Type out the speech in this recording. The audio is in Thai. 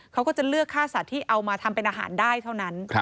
เขาก็จะเลือกค่าสัตว์ที่เอามาทำเป็นอาหารได้เท่านั้น